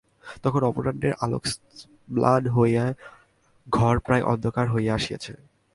তখন অপরাহ্ণের আলোক ম্লান হইয়া ঘর প্রায় অন্ধকার হইয়া আসিয়াছে।